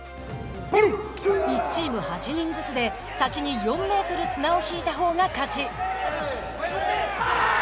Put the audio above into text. １チーム８人ずつで先に４メートル綱を引いたほうが勝ち。